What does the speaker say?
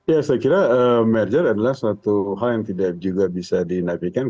ya saya kira merger adalah suatu hal yang tidak juga bisa dinafikan